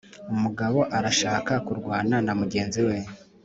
uymugabo arashaka kurwana namugenzi we